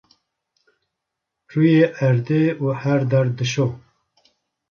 rûyê erdê û her der dişo.